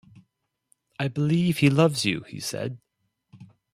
“I believe he loves you,” he said.